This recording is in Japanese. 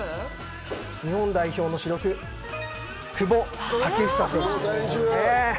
日本代表の主力・久保建英選手です。